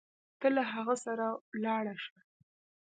ته له هغه سره ولاړه شه.